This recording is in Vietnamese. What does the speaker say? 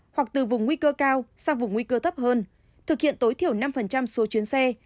hoặc từ vùng nguy cơ cao sang vùng nguy cơ thấp hơn thực hiện tối thiểu năm số chuyến xe